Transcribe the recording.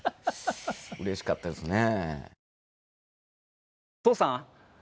うれしかったですね。